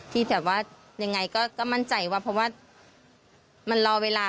ที่แบบว่ายังไงก็มั่นใจว่าเพราะว่ามันรอเวลา